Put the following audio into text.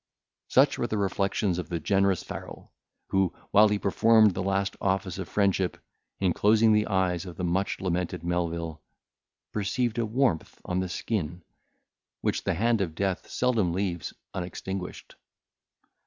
Such were the reflections of the generous Farrel, who, while he performed the last office of friendship, in closing the eyes of the much lamented Melvil, perceived a warmth on the skin, which the hand of death seldom leaves unextinguished.